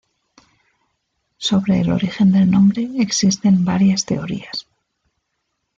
Sobre el origen del nombre existen varias teorías.